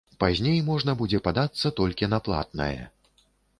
Пазней можна будзе падацца толькі на платнае.